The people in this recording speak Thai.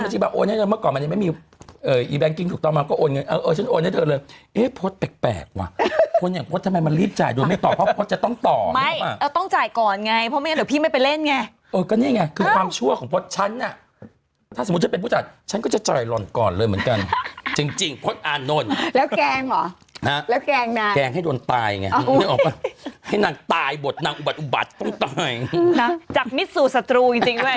อกอดคือน้องรักเป็นมิตรภาพกันแต่ตรงนี้เป็นศัตรูจากมิตรภาพสู่ศัตรู